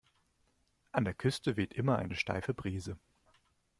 An der Küste weht immer eine steife Brise.